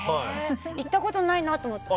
行ったことないなと思って。